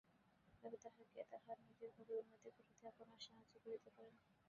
তবে তাহাকে তাহার নিজের ভাবে উন্নতি করিতে আপনারা সাহায্য করিতে পারেন।